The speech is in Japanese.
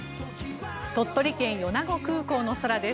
鳥取県・米子空港の空です。